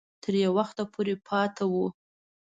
تر یو وخته پورې پاته وو.